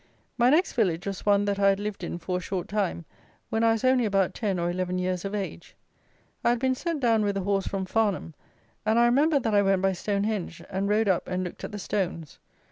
My next village was one that I had lived in for a short time, when I was only about ten or eleven years of age. I had been sent down with a horse from Farnham, and I remember that I went by Stone henge, and rode up and looked at the stones.